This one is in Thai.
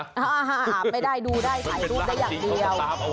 อาบไม่ได้ดูได้ถ่ายรูปได้อย่างเดียว